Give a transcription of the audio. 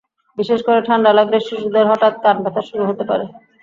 বিশেষ করে ঠান্ডা লাগলে শিশুদের হঠাৎ কান ব্যথা শুরু হতে পারে।